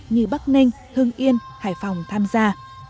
như bắc ninh hưng yên hải phòng tham gia